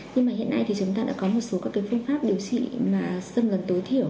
nhưng hiện nay chúng ta đã có một số phương pháp điều trị sân gần tối thiểu